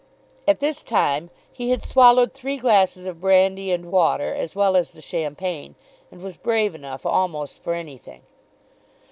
At this time he had swallowed three glasses of brandy and water, as well as the champagne, and was brave enough almost for anything.